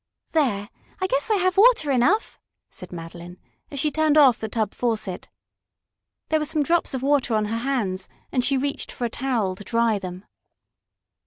"There, I guess I have water enough," said Madeline, as she turned off the tub faucet. There were some drops of water on her hands, and she reached for a towel to dry them.